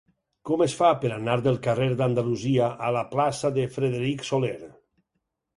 Com es fa per anar del carrer d'Andalusia a la plaça de Frederic Soler?